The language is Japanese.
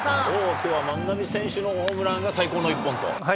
きょうは万波選手のホームランが最高の一本と。